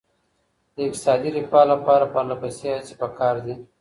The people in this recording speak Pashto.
د اقتصادي رفاه لپاره پرله پسې هڅې پکار دي.